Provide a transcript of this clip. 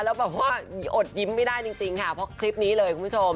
แล้วแบบว่าอดยิ้มไม่ได้จริงค่ะเพราะคลิปนี้เลยคุณผู้ชม